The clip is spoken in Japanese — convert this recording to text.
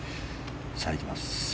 さあ、行きます。